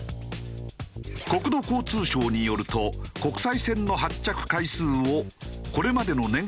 国土交通省によると国際線の発着回数をこれまでの年間